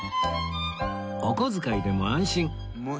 お小遣いでも安心